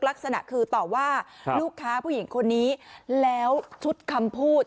ลักษณะคือต่อว่าลูกค้าผู้หญิงคนนี้แล้วชุดคำพูด